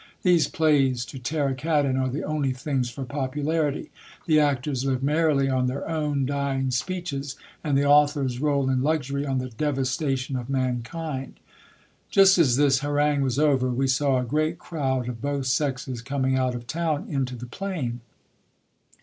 These plays to tear a cat in, are the only things for popularity ; the actors live merrily on their own dying speeches, and the authors roll in luxury on the devastation of mankind. Just as this harangue was over, we saw a great crowd of both sexes coming out of town into the plain.